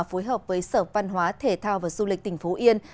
phối hợp với sở văn hóa thể thao và du lịch tỉnh phú yên